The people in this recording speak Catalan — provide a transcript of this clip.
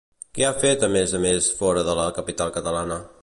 Què ha fet a més a més fora de la capital catalana?